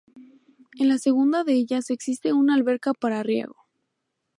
En la segunda de ellas existe una alberca para riego.